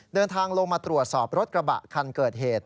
เดินทางลงมาตรวจสอบรถกระบะคันเกิดเหตุ